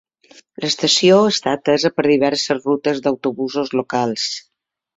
L'estació està atesa per diverses rutes d'autobusos locals.